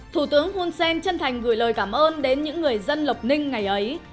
thủ tướng hun sen chân thành gửi lời cảm ơn đến những người dân lộc ninh ngày ấy